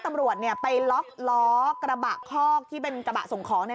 ตรงไหนคิดยังไง